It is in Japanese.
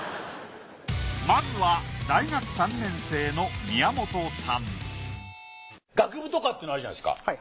まずは大学３年生の宮本さん学部とかっていうのあるじゃないですか。